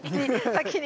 先に。